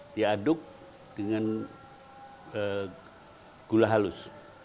diaduk dengan gula halus